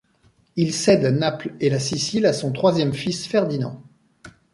Il cède Naples et la Sicile à son troisième fils Ferdinand.